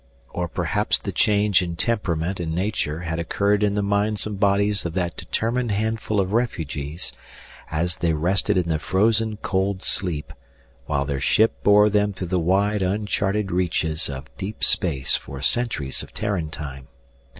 Or perhaps the change in temperament and nature had occurred in the minds and bodies of that determined handful of refugees as they rested in the frozen cold sleep while their ship bore them through the wide, uncharted reaches of deep space for centuries of Terran time.